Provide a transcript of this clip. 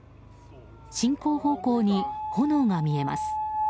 進行方向に炎が見えます。